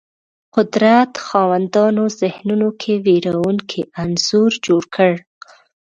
قدرت خاوندانو ذهنونو کې وېرونکی انځور جوړ کړ